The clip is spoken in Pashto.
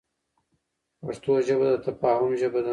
پښتو ژبه د تفاهم ژبه ده.